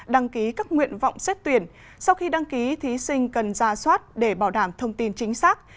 đăng ký các nguyện vọng xét tuyển sau khi đăng ký thí sinh cần ra soát để bảo đảm thông tin chính xác